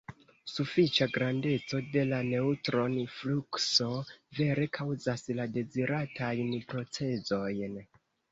Sufiĉa grandeco de la neŭtron-flukso vere kaŭzas la deziratajn procezojn.